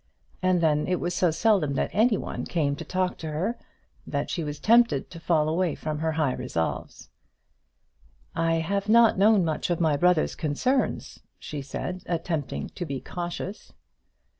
And then it was so seldom that anyone came to talk to her, that she was tempted to fall away from her high resolves. "I have not known much of my brother's concerns," she said, attempting to be cautious.